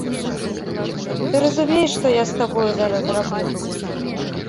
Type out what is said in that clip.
Ты разумееш, што я з табою зараз зраблю?!